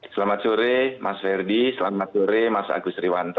selamat sore mas ferdi selamat sore mas agus riwanto